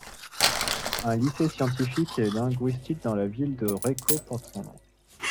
Un lycée scientifique et linguistique dans la ville de Recco porte son nom.